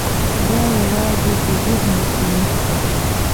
دا یوازې په ذهن کې نه شته.